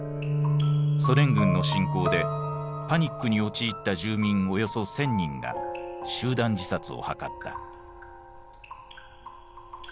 ソ連軍の侵攻でパニックに陥った住民およそ１，０００人が集団自殺を図った。